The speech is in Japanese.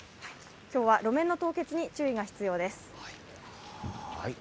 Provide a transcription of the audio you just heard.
今日は路面の凍結に注意が必要です。